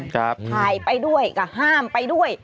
ถ่ายไปด้วยก็ห้ามไปด้วย